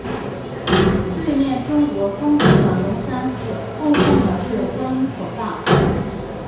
对面中国风格的龙山寺供奉的是观音菩萨。